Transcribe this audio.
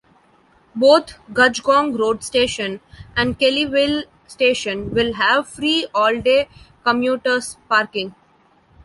Both Cudgegong Road station and Kellyville station will have free all-day commuters parking.